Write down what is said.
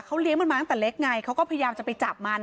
เขาเลี้ยงมันมาตั้งแต่เล็กไงเขาก็พยายามจะไปจับมัน